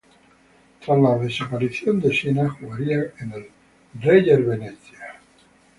Tras la desaparición de Siena, jugaría en el Reyer Venezia.